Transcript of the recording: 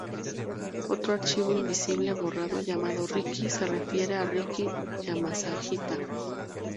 Otro archivo invisible borrado llamado "RickY" se refiere a Rick Yamashita.